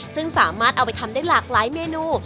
ซึ่งสามารถเอาไปทำได้หลากหลายเมนู